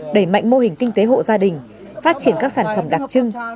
đẩy mạnh mô hình kinh tế hộ gia đình phát triển các sản phẩm đặc trưng